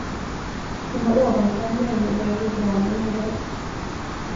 Hon var ovanför mig och började dra mig i håret.